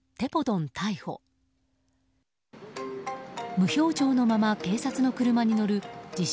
無表情のまま警察の車に乗る自称